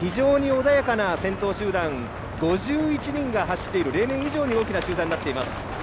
非常に穏やかな先頭集団、５１年が走っている例年以上に大きな集団になっています。